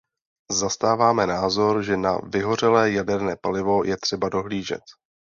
Zastáváme názor, že na vyhořelé jaderné palivo je třeba dohlížet.